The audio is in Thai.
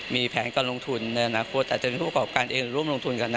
มีแผนการลงทุนในอนาคตอาจจะมีผู้ประกอบการเองร่วมลงทุนกันนะ